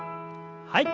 はい。